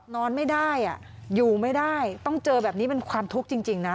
นอนไม่ได้อยู่ไม่ได้ต้องเจอแบบนี้เป็นความทุกข์จริงนะ